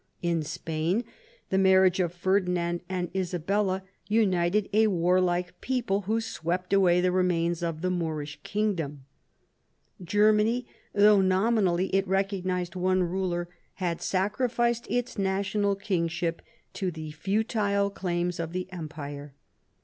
In Spain, the marriage of Ferdinand and Isabella united a warlike people who swept away the remains of the Moorish kingdom. Germany, though nominally it recognised one ruler, had sacrificed its national kingship to the futile claims of the Empire.